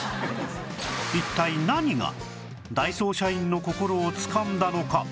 一体何がダイソー社員の心をつかんだのか？